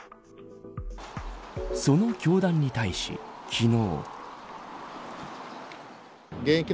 その教団に対し、昨日。